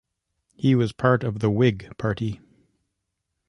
He was a part of the Whig Party.